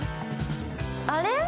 あれ？